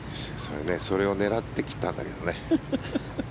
それを狙って切ったんだけどね。